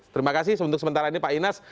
terima kasih untuk sementara ini pak inas